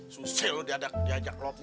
susih lo diajak lobnya